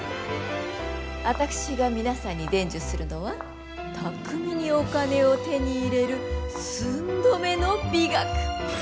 私が皆さんに伝授するのは巧みにお金を手に入れる寸止めの美学。